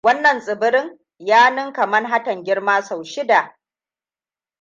Wannan tsibirin ya nunka Manhattan girma sau shida.